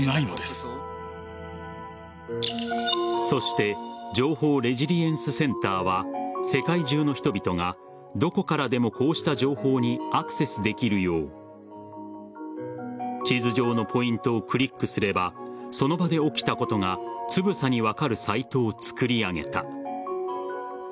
そして情報レジリエンスセンターは世界中の人々がどこからでもこうした情報にアクセスできるよう地図上のポイントをクリックすればその場で起きたことがつぶさに分かるサイトを作り上げた。